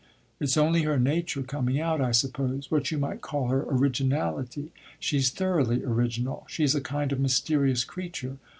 It 's only her nature coming out, I suppose what you might call her originality. She 's thoroughly original she 's a kind of mysterious creature.